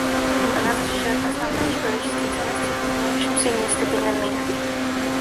Она защищает основные человеческие ценности в меняющемся и нестабильном мире.